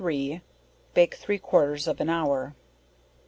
3 bake three quarters of an hour.